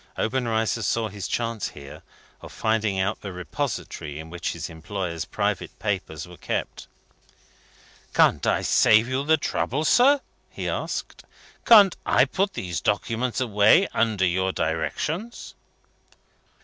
Obenreizer saw his chance, here, of finding out the repository in which his employer's private papers were kept. "Can't I save you the trouble, sir?" he asked. "Can't I put those documents away under your directions?"